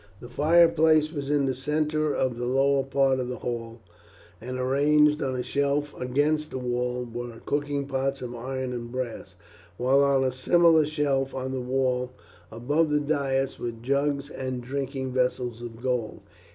The fireplace was in the centre of the lower part of the hall, and arranged on a shelf against the wall were cooking pots of iron and brass; while on a similar shelf on the wall above the dais were jugs and drinking vessels of gold.